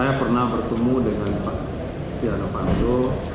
saya pernah bertemu dengan pak setia novanto